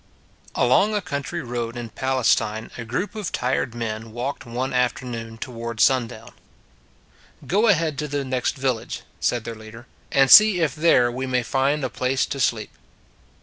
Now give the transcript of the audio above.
Along a country road in Palestine a group of tired men walked one afternoon toward sundown. " Go ahead to the next village," said their Leader, " and see if there we may find a place to sleep."